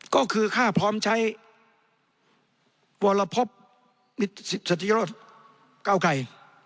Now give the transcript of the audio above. ก็คือค่าพร้อมใช้วรพบสติโรธเก้าไกร